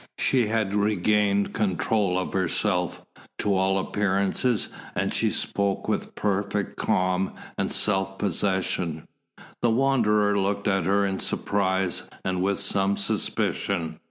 She had regained control of herself, to all appearances, and she spoke with perfect calm and self possession. The Wanderer looked at her in surprise and with some suspicion.